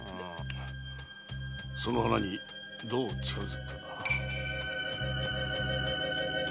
その花にどう近づくかだ。